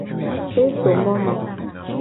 E so mo me.